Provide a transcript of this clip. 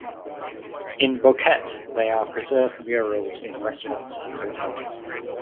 In Boquete they are preserved Murals in restaurants and hotels.